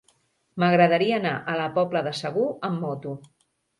M'agradaria anar a la Pobla de Segur amb moto.